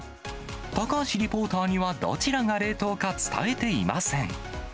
高橋リポーターには、どちらが冷凍か伝えていません。